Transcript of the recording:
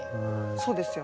そうですよね。